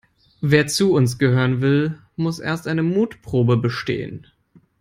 Wer zu uns gehören will, muss erst eine Mutprobe bestehen.